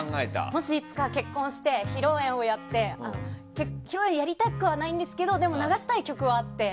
もし結婚して、披露宴をやって披露宴やりたくはないんですけど流したい曲はあって。